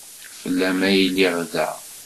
Fell-am ay lliɣ da.